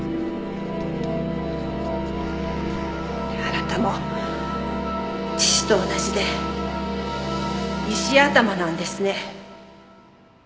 あなたも父と同じで石頭なんですね。